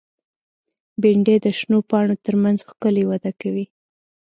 بېنډۍ د شنو پاڼو تر منځ ښکلي وده کوي